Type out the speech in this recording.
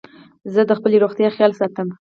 زه د خپلي روغتیا خیال ساتم.